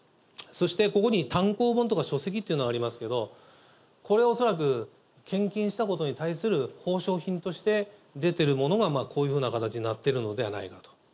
そしてここに単行本とか書籍っていうのがありますけれども、これは恐らく、献金したことに対する褒賞品として出てるものが、こういうふうな形になっているのではないか。